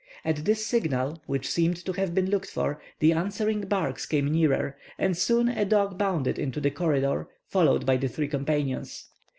At this signal, which seemed to have been looked for, the answering barks came nearer, and soon a dog bounded into the corridor, followed by the three companions.